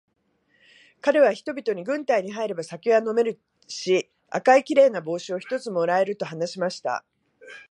かれは人々に、軍隊に入れば酒は飲めるし、赤いきれいな帽子を一つ貰える、と話しました。